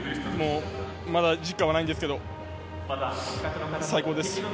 まだ実感はないんですけど最高です。